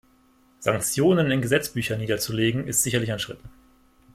Sanktionen in Gesetzbüchern niederzulegen, ist sicherlich ein Schritt.